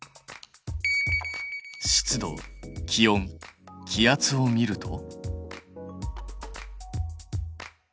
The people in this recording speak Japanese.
湿度気温気圧を見ると？